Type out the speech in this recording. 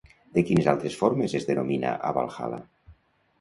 De quines altres formes es denomina a Valhalla?